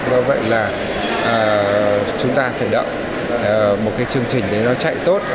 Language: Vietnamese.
do vậy là chúng ta phải đỡ một cái chương trình để nó chạy tốt